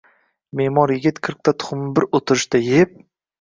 Me’mor yigit qirqta tuxumni bir o’tirishda yeb: